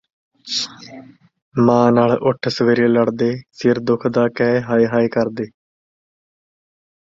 ਮਾਂ ਨਾਲ ਉਠ ਸਵੇਰੇ ਲੜਦੇ ਸਿਰ ਦੁੱਖ ਦਾ ਕਹਿ ਹਾਏ ਹਾਏ ਕਰਦੇ